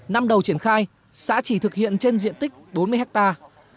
năm đầu triển khai xã chỉ thực hiện trên diện tích bốn mươi hectare